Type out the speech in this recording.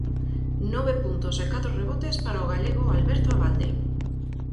Nove puntos e catro rebotes para o galego Alberto Abalde.